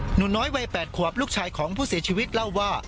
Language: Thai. หนูน้อยวัย๘ขวบลูกชายของผู้เสียชีวิตเล่าว่า